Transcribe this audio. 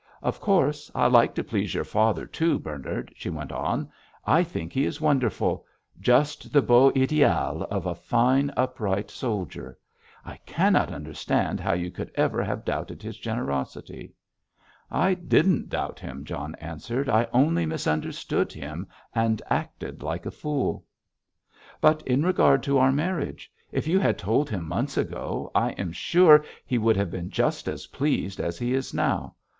"Of course I like to please your father, too, Bernard," she went on. "I think he is wonderful; just the beau ideal of a fine, upright soldier. I cannot understand how you could ever have doubted his generosity." "I didn't doubt him," John answered. "I only misunderstood him, and acted like a fool." "But in regard to our marriage. If you had told him months ago, I am sure he would have been just as pleased as he is now.